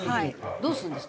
どうするんですか？